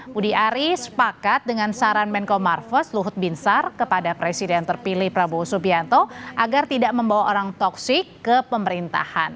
budi aris sepakat dengan saran menko marves luhut binsar kepada presiden terpilih prabowo subianto agar tidak membawa orang toksik ke pemerintahan